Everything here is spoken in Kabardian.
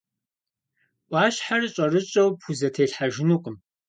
Ӏуащхьэр щӀэрыщӀэу пхузэтелъхьэжынукъым.